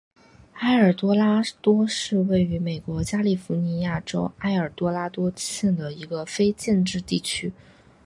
埃尔多拉多是位于美国加利福尼亚州埃尔多拉多县的一个非建制地区。